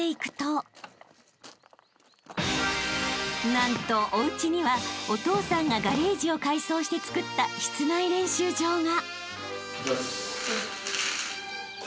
［何とおうちにはお父さんがガレージを改装して作った室内練習場が］